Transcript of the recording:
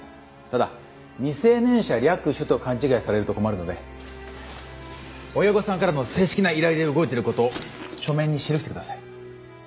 ただ未成年者略取と勘違いされると困るので親御さんからの正式な依頼で動いている事を書面に記してください。